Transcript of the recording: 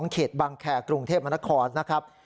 เขตบังแคร์กรุงเทพมนครนะครับ